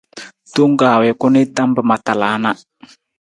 Tong kaa wii ku nii tam pa ma tala na.